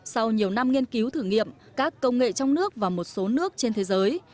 sau nhiều năm nghiên cứu thử nghiệm các công nghệ trong nước và một số nước trên thế giới